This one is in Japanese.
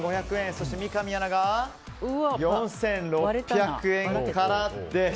そして三上アナが４６００円からです。